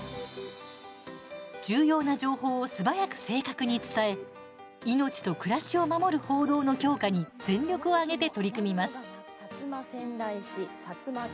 重要な情報を素早く正確に伝え命と暮らしを守る報道の強化に全力を挙げて取り組みます。